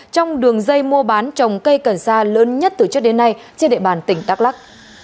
trong đường dây mua bán trồng cây cần sa lớn nhất từ trước đến nay trên địa bàn tỉnh đắk lắc